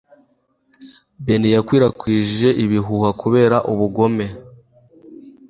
Ben yakwirakwije ibihuha kubera ubugome.